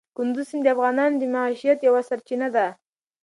کندز سیند د افغانانو د معیشت یوه سرچینه ده.